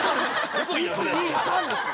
１２３ですよ。